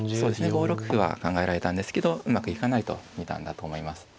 ５六歩は考えられたんですけどうまくいかないと見たんだと思います。